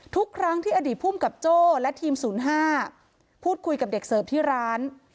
ทุกครั้งที่อดีตภูมิกับโจ้และทีม๐๕พูดคุยกับเด็กเสิร์ฟที่ร้าน